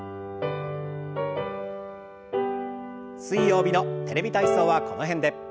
水曜日の「テレビ体操」はこの辺で。